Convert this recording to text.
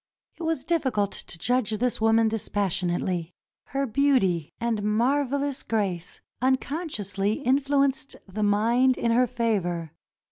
It was difficult to judge this woman dispassionately. Her beauty and marvelous grace unconsciously influ enced the mind in her favor.